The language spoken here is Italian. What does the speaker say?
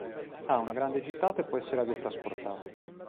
Ha una grande gittata e può essere aviotrasportato.